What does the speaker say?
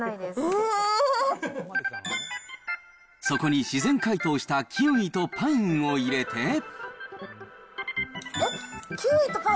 そこに自然解凍したキウイとパインを入れて。